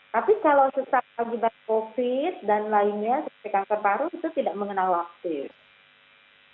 tapi kalau sesak akibat covid dan lainnya seperti kanker paru itu tidak mengenal waktu